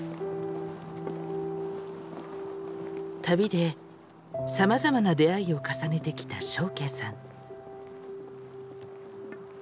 旅でさまざまな出会いを重ねてきた祥敬さん。